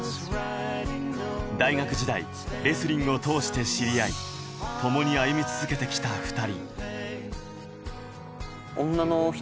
大学時代、レスリングを通して知り合い、共に歩み続けてきた２人。